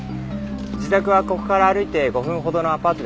自宅はここから歩いて５分ほどのアパートですね。